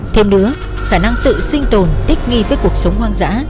thêm nữa khả năng tự sinh tồn thích nghi với cuộc sống hoang dã